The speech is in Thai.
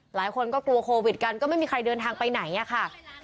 หลายคนก็กลัวโควิดกันก็ไม่มีใครเดินทางไปไหนอะค่ะ